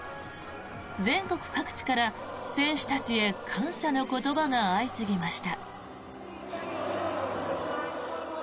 全国各地から選手たちへ感謝の言葉が相次ぎました。